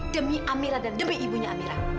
demi amira dan demi ibunya amira